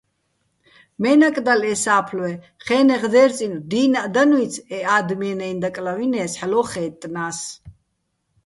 მე́ნაკ დალ ე სა́ფლვე, ხე́ნეღ დერწინო̆ დინაჸ დანუჲცი̆ ე ა́დმიეჼ-ნაჲნო̆ დაკლავინე́ს, ჰ̦ალო́ ხაჲტტნა́ს.